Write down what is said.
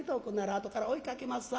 あとから追いかけまっさ』。